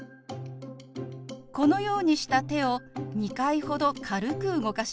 このようにした手を２回ほど軽く動かします。